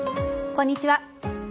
こんにちは。